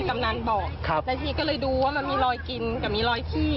ตัวเล็กก็เลยดูกลายมีลอยเชื้อและลอยขี้